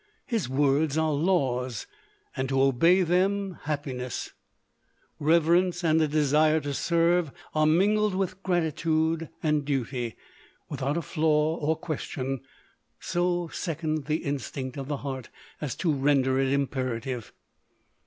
His words are laws, and to obey them happiness. Reverence and a desire to serve, are mingled with gratitude; and duty, without a flaw or question, so second the instinct of the heart, as to render it imperative.